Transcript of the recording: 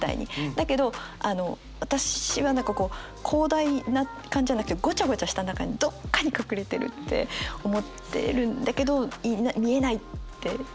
だけど私は何かこう広大な感じじゃなくてごちゃごちゃした中にどっかに隠れてるって思ってるんだけどいない見えないっていう。